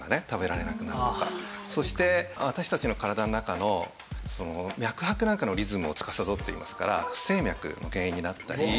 そして私たちの体の中の脈拍なんかのリズムをつかさどっていますから不整脈の原因になったりあるいはですね